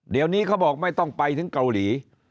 เดี๋ยวนี้เขาบอกไม่ต้องไปถึงเกาหลี